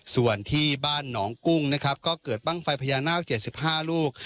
ส่วนที่บ้านหนองกุ้งนะครับก็เกิดบ้างไฟพญานาค๗๕ลูก